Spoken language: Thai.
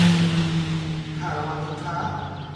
ค่าระวางสินค้า